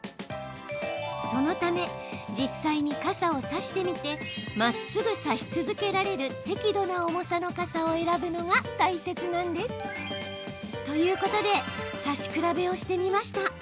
そのため実際に傘を差してみてまっすぐ差し続けられる適度な重さの傘を選ぶのが大切なんです。ということで差し比べをしてみました。